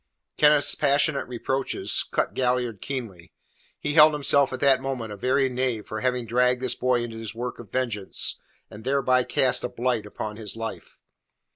Kenneth's passionate reproaches cut Galliard keenly. He held himself at that moment a very knave for having dragged this boy into his work of vengeance, and thereby cast a blight upon his life.